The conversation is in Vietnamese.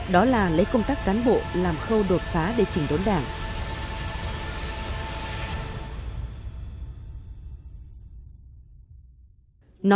đó là lấy công tác cán bộ làm khâu đồn